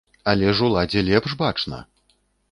Але ж уладзе лепш бачна!